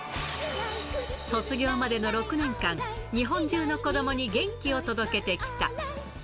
卒業までの６年間、日本中の子どもに元気を届けてきた。